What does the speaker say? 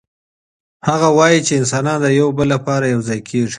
هغه وايي چي انسانان د يو بل لپاره يو ځای کيږي.